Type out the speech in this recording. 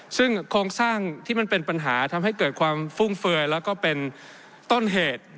ซึ่งโครงสร้างที่มันเป็นปัญหาทำให้เกิดความฟุ่มเฟือยแล้วก็เป็นต้นเหตุ